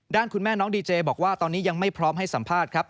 คุณแม่น้องดีเจบอกว่าตอนนี้ยังไม่พร้อมให้สัมภาษณ์ครับ